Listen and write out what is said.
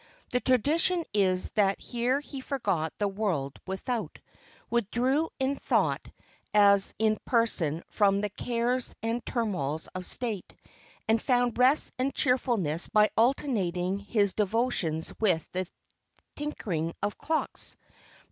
The tradition is that here he forgot the world without, withdrew in thought as in person from the cares and turmoils of state, and found rest and cheerfulness by alternating his devotions with the tinkering of clocks.